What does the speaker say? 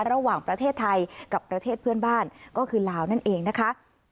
ระหว่างประเทศไทยกับประเทศเพื่อนบ้านก็คือลาวนั่นเองนะคะ